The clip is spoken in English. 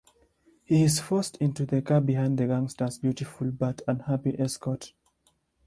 He is forced into the car behind the gangster's beautiful but unhappy escort.